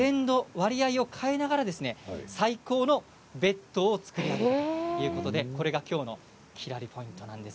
割合を変えながら最高のベッドを作りあげたということでこれがきょうのきらりポイントなんです。